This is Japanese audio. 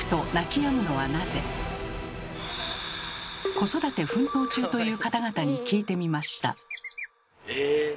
子育て奮闘中という方々に聞いてみました。